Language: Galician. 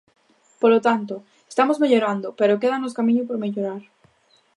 Polo tanto, estamos mellorando, pero quédanos camiño por mellorar.